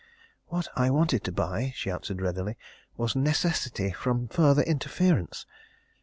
"What I wanted to buy," she answered readily, "was necessity from further interference!